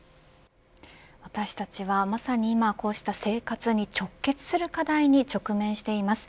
私たちはまさに今こうした生活に直結する課題に直面しています。